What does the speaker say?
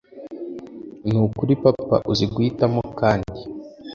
nukuri papa uzi guhitamo kandi